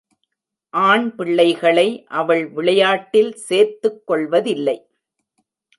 ஆண்பிள்ளைகளை அவள் விளையாட்டில் சேர்த்துக் கொள்வதில்லை.